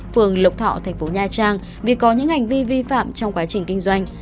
phường lộc thọ tp nha trang vì có những hành vi vi phạm trong quá trình kinh doanh